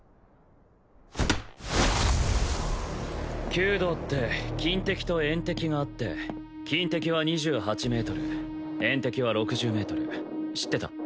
弓道って近的と遠的があって近的は２８ｍ遠的は６０ｍ知ってた？